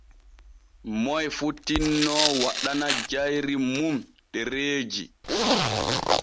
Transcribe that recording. Moy fu tinno waɗana jayri mun ɗereeji.